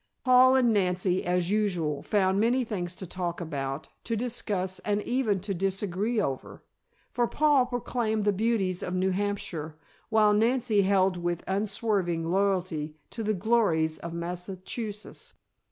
Paul and Nancy, as usual, found many things to talk about, to discuss and even to disagree over, for Paul proclaimed the beauties of New Hampshire while Nancy held with unswerving loyalty to the glories of Massachusetts.